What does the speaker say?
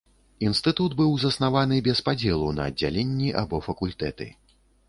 Інстытут быў заснаваны без падзелу на аддзяленні або факультэты.